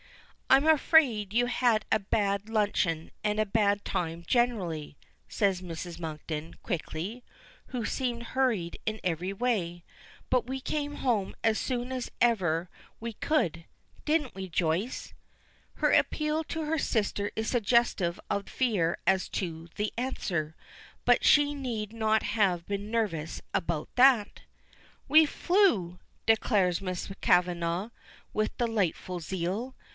"I am afraid you had a bad luncheon and a bad time generally," says Mrs. Monkton, quickly, who seemed hurried in every way. "But we came home as soon as ever we could. Didn't we, Joyce?" Her appeal to her sister is suggestive of fear as to the answer, but she need not have been nervous about that. "We flew!" declares Miss Kavanagh, with delightful zeal.